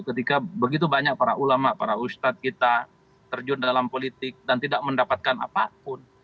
ketika begitu banyak para ulama para ustadz kita terjun dalam politik dan tidak mendapatkan apapun